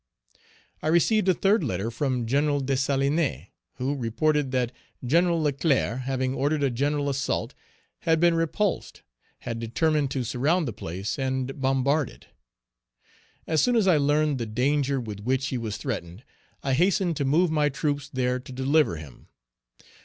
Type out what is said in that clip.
I received a third letter from Gen. Dessalines, who reported that Gen. Leclerc, having ordered a general assault and been repulsed, had determined to surround the place and bombard it. As soon as I learned the danger with which he was threatened, I hastened to move my troops there to deliver him.